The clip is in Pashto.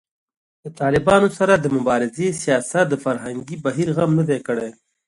د طالبانو سره د مبارزې سیاست د فرهنګي بهیر غم نه دی کړی